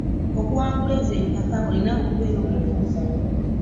Okuwangula ezo empaka olina okubeera omuvumu.